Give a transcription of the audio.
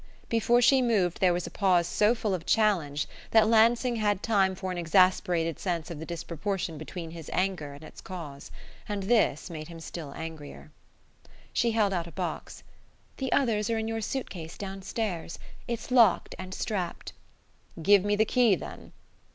Before she moved there was a pause so full of challenge that Lansing had time for an exasperated sense of the disproportion between his anger and its cause. And this made him still angrier. She held out a box. "The others are in your suitcase downstairs. It's locked and strapped." "Give me the key, then."